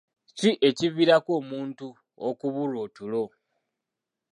Ki ekiviirako omuntu okubulwa otulo?